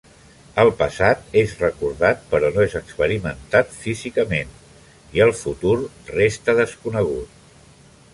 El passat és recordat però no és experimentat físicament, i el futur resta desconegut.